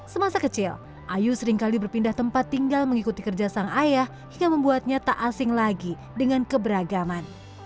semasa kecil ayu seringkali berpindah tempat tinggal mengikuti kerja sang ayah hingga membuatnya tak asing lagi dengan keberagaman